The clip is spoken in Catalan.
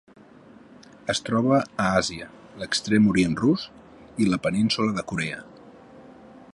Es troba a Àsia: l'Extrem Orient Rus i la península de Corea.